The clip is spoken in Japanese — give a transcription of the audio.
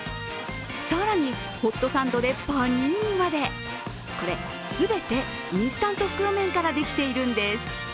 更に、ホットサンドでパニーニまでこれ全てインスタント袋麺からできているんです。